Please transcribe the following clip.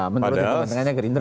menurut teman temannya gerindra